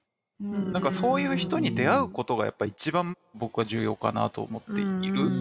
何かそういう人に出会うことがやっぱ一番僕は重要かなと思っている。